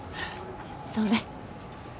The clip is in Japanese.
そうね。